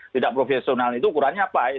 tidak profesional itu kurangnya apa ya